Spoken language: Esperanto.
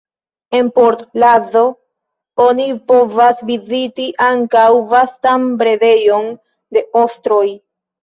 En Port Lazo oni povas viziti ankaŭ vastan bredejon de ostroj.